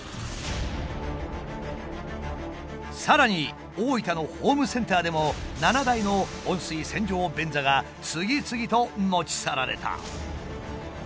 さらに大分のホームセンターでも７台の温水洗浄便座が次々と持ち去られた。